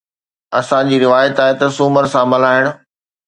اسان جي روايت آهي ته سومر سان ملهائڻ.